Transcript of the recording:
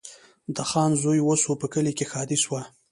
د خان زوی وسو په کلي کي ښادي سوه